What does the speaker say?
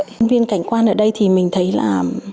các công viên cảnh quan ở đây thì mình thấy là